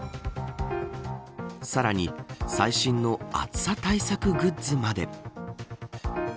さらに、最新の暑さ対策グッズまで。